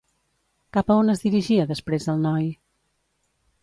Cap a on es dirigia després el noi?